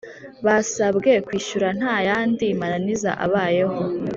Basabwe kwishyura ntayandi mananiza abayeho